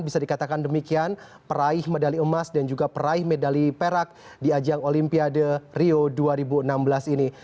bisa dikatakan demikian peraih medali emas dan juga peraih medali perak di ajang olimpiade rio dua ribu enam belas ini